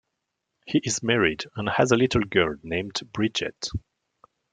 He is married and has a little girl named Bridget.